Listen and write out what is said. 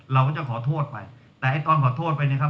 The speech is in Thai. เราก็จะขอโทษไปแต่ไอ้ตอนขอโทษไปเนี่ยครับ